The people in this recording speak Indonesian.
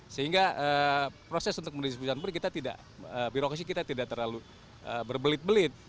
sehingga proses untuk mendistribusikan peri kita tidak terlalu berbelit belit